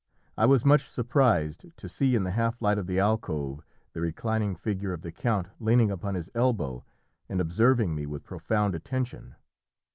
I was much surprised to see in the half light of the alcove the reclining figure of the count leaning upon his elbow and observing me with profound attention.